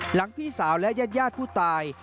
หลังพี่สาวและญาติญาติผู้ตาย